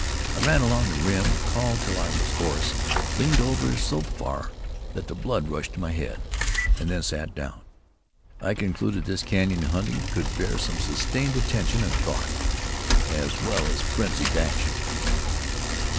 I ran along the rim, called till I was hoarse, leaned over so far that the blood rushed to my head, and then sat down. I concluded this canyon hunting could bear some sustained attention and thought, as well as frenzied action.